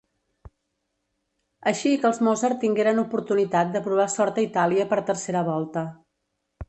Així que els Mozart tingueren oportunitat de provar sort a Itàlia per tercera volta.